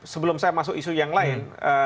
sebelum saya masuk isu yang lain